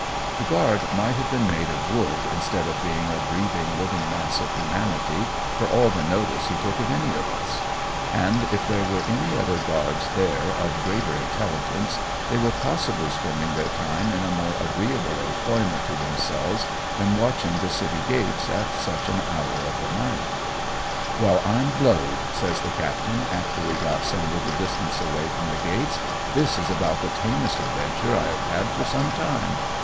The guard might have been made of wood instead of being a breathing, living mass of humanity, for all the notice he took of any of us ; and if there were any other TVE SMUGGLE AH CHEONG. 99 guards there of greater mtelligence, they were possibly spending their time in a more agreeable employment to themselves than watching the city gates at such an hour of the night. " "Well, I'm blowed, " says the captain, after we got some little distance away from the gates, " this is about the tamest adventure I have had for some time.